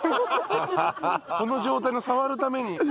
この状態のを触るために。